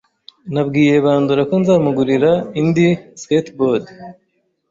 Nabwiye Bandora ko nzamugurira indi skateboard.